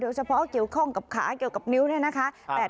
เฉพาะเกี่ยวข้องกับขาเกี่ยวกับนิ้วเนี่ยนะคะ